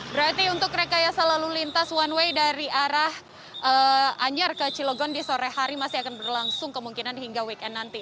berarti untuk rekayasa lalu lintas one way dari arah anyer ke cilegon di sore hari masih akan berlangsung kemungkinan hingga weekend nanti